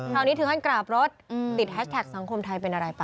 นี้ถึงขั้นกราบรถติดแฮชแท็กสังคมไทยเป็นอะไรป่